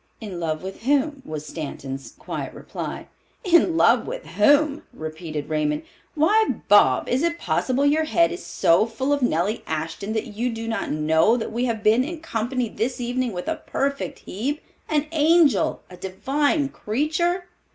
"In love with whom?" was Stanton's quiet reply. "In love with whom?" repeated Raymond. "Why, Bob, is it possible your head is so full of Nellie Ashton that you do not know that we have been in company this evening with a perfect Hebe, an angel, a divine creature?"